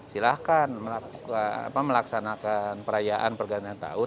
silahkan melaksanakan perayaan pergantian tahun